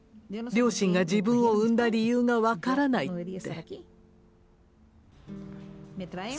両親が自分を生んだ理由が分からない」って。